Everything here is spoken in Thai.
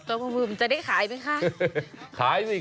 จะได้ขายไหมคะ